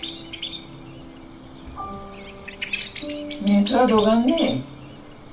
熱はどがんね？